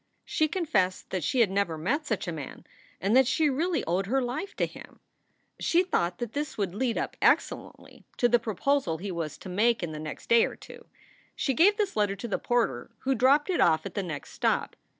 She confessed that she had never met such a man and that she really owed her life to him. She thought this would lead up excellently to the proposal 84 SCULS FOR SALE he was to make in the next day or two. She gave this letter to the porter, who dropped it off at the next stop.